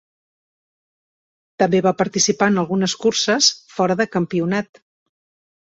També va participar en algunes curses fora de campionat.